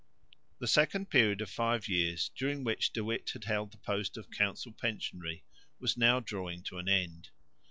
The second period of five years during which De Witt had held the post of council pensionary was now drawing to an end.